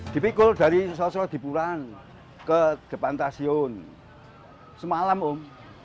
dipikul dari sosro dipuran ke depan stasiun semalam om